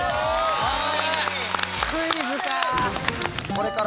はい。